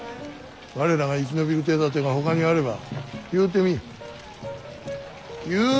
我らが生き延びる手だてがほかにあれば言うてみい。